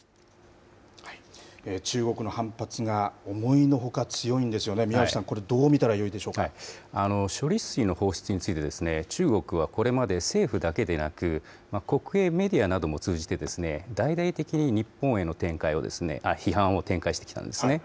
中国の反発が思いのほか強いんですよね、宮内さん、これ、処理水の放出について、中国はこれまで、政府だけでなく、国営メディアなども通じて、大々的に日本への批判を展開してきたんですね。